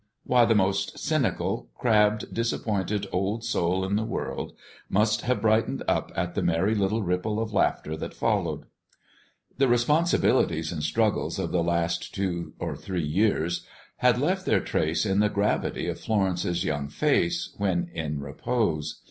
Why, the most cynical, crabbed, disappointed old soul in the world must have brightened up at the merry little ripple of laughter that followed. The responsibilities and struggles of the last two or three years had left their trace in the gravity of Florence's young face when in repose.